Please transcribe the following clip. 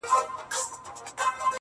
نور خپلي ويني ته شعرونه ليكو~